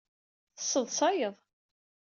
Tesseḍṣayeḍ.